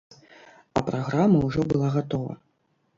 А праграма ўжо была гатова.